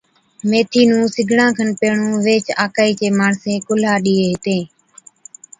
ميٿِي نُون سِگڙان کن پيھڻُون ويھچ آڪھِي چين ماڻسين ڪُلھا ڏيئَين ھِتين